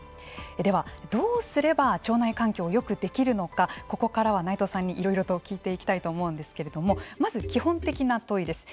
では、どうすれば腸内環境をよくできるのかここからは内藤さんにいろいろと聞いていきたいと思うんですけれどもまず、基本的な問いです。